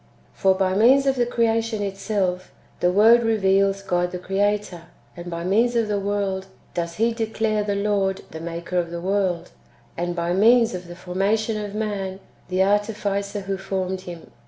6. For by means of the creation itself, the Word reveals God the Creator ; and by means of the world [does He declare] the Lord the Maker of the world ; and by means of the formation [of man] the Artificer who formed him ; and ^ The ordinary text reads cognoscunt, i.